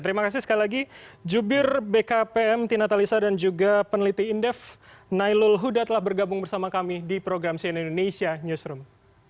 terima kasih sekali lagi jubir bkpm tina talisa dan juga peneliti indef nailul huda telah bergabung bersama kami di program cnn indonesia newsroom